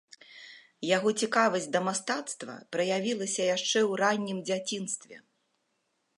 Яго цікавасць да мастацтва праявілася яшчэ ў раннім дзяцінстве.